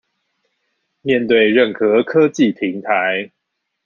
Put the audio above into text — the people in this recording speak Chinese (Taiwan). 面對任何科技平台